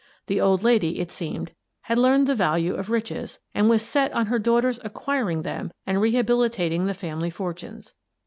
The old lady, it seemed, had learned the value of riches, and was set on her daughter's acquiring them and rehabilitating the family fortunes.